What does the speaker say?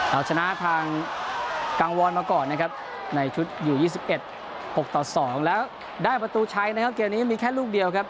เอาชนะทางกังวอนมาก่อนนะครับในชุดอยู่๒๑๖ต่อ๒แล้วได้ประตูใช้นะครับเกมนี้มีแค่ลูกเดียวครับ